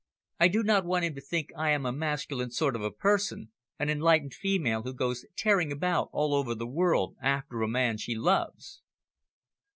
I do not want him to think I am a masculine sort of person, an enlightened female who goes tearing about all over the world after a man she loves."